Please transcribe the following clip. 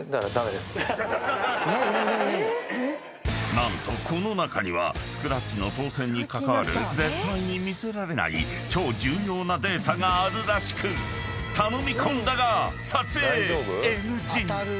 ［何とこの中にはスクラッチの当せんに関わる絶対に見せられない超重要なデータがあるらしく頼み込んだが］